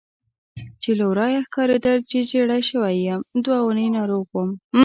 چې له ورایه ښکارېدل چې ژېړی شوی یم، دوه اونۍ ناروغ وم.